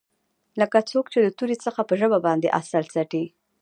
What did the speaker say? لکه څوک چې د تورې څخه په ژبه باندې عسل څټي.